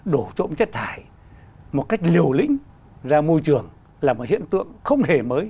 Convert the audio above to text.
đổ trộm chất thải một cách liều lĩnh ra môi trường là một hiện tượng không hề mới